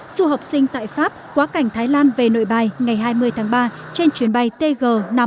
du học sinh tại pháp quá cảnh thái lan về nội bài ngày hai mươi tháng ba trên chuyến bay tg năm trăm sáu mươi